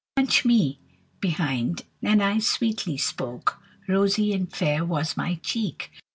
Punch me behind, and I sweetly spoke; Rosy and fair was my cheek.